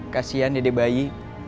kekasian dedek bayi